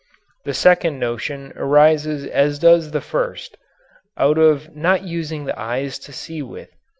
The second notion arises as does the first out of not using the eyes to see with.